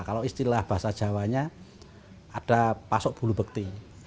kalau istilah bahasa jawanya ada pasok bulu bekti